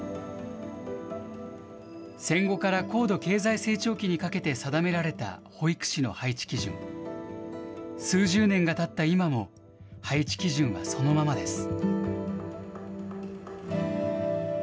戦後から高度経済成長期にかけて定められた保育士の配置基準、数十年がたった今も、配置基準はそのままです。